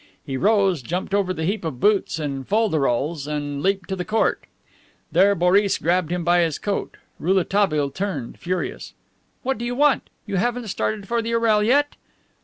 He rose, jumped over the heap of boots and fol de rols, and leaped to the court. There Boris grabbed him by his coat. Rouletabille turned, furious: "What do you want? You haven't started for the Orel yet?"